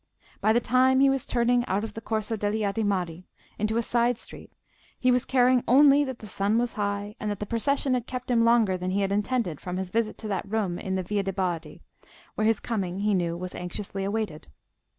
By the time he was turning out of the Corso degli Adimari into a side street he was caring only that the sun was high, and that the procession had kept him longer than he had intended from his visit to that room in the Via de' Bardi, where his coming, he knew, was anxiously awaited.